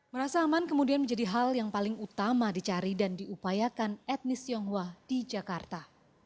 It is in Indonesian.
merasa aman kemudian menjadi hal yang paling utama dicari dan diupayakan etnis tionghoa di jakarta